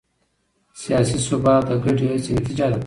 سیاسي ثبات د ګډې هڅې نتیجه ده